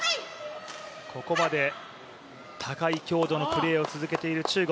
ここまで高い強度のプレーを続けている中国。